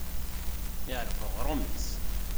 Iɛelleq uɣrum-is.